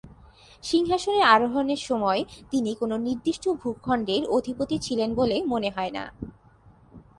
সিংহাসনে আরোহণের সময় তিনি কোনো নির্দিষ্ট ভূখন্ডের অধিপতি ছিলেন বলে মনে হয় না।